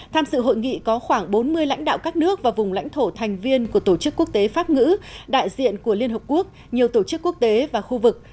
tham sự hội nghị có khoảng bốn mươi lãnh đạo các nước và vùng lãnh thổ thành viên của tổ chức quốc tế pháp ngữ đại diện của liên hợp quốc nhiều tổ chức quốc tế và khu vực